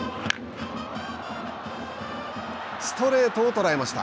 ストレートを捉えました。